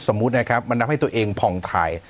สมมุตินะครับมันทำให้ตัวเองผ่องถ่าย